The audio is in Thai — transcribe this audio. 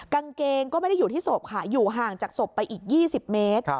กางเกงก็ไม่ได้อยู่ที่ศพค่ะอยู่ห่างจากศพไปอีก๒๐เมตร